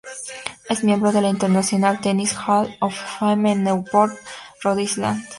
Es miembro de la International Tennis Hall of Fame en Newport, Rhode Island.